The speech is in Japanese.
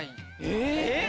え？